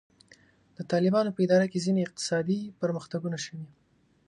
د طالبانو په اداره کې ځینې اقتصادي پرمختګونه شوي.